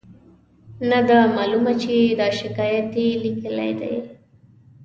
نه ده معلومه چې دا شکایت یې لیکلی دی.